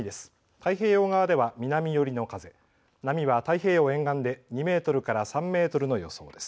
太平洋側では南寄りの風、波は太平洋沿岸で２メートルから３メートルの予想です。